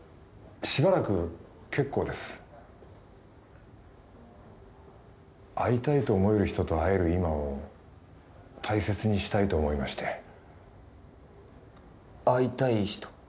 しばらく結構です会いたいと思える人と会える今を大切にしたいと思いまして会いたい人？